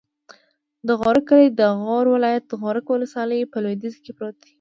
د غورک کلی د غور ولایت، غورک ولسوالي په لویدیځ کې پروت دی.